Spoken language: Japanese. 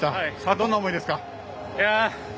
どんな思いですか。